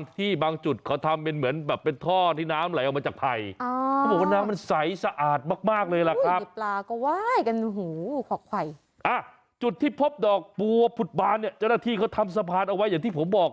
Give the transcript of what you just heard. ที่นี่เขาทำสะพานเอาไว้อย่างที่ผมบอก